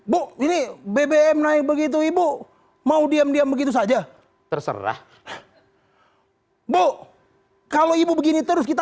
bu ini bbm naik begitu ibu mau diam diam begitu saja terserah bu kalau ibu begini terus kita